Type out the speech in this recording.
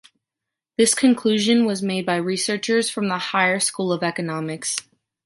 This conclusion was made by researches from the Higher School of Economics.